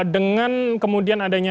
dengan kemudian adanya